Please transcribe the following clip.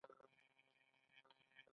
ایا زه باید د نباتي غوړي وخورم؟